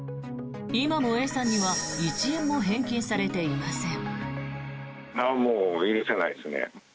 今もＡさんには１円も返金されていません。